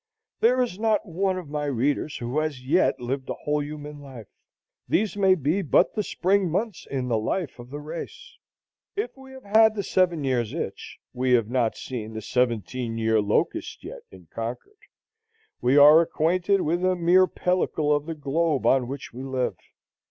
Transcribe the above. There is not one of my readers who has yet lived a whole human life. These may be but the spring months in the life of the race. If we have had the seven years' itch, we have not seen the seventeen year locust yet in Concord. We are acquainted with a mere pellicle of the globe on which we live.